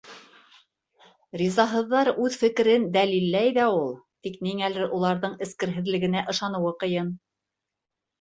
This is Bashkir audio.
Ризаһыҙҙар үҙ фекерен дәлилләй ҙә ул, тик ниңәлер уларҙың эскерһеҙлегенә ышаныуы ҡыйын.